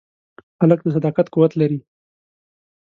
هلک د صداقت قوت لري.